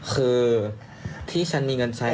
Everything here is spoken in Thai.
คือที่ฉันมีเงินใช้